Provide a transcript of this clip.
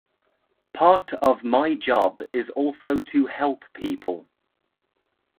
Part of my job is also to help people.